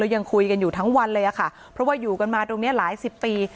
ยังคุยกันอยู่ทั้งวันเลยค่ะเพราะว่าอยู่กันมาตรงนี้หลายสิบปี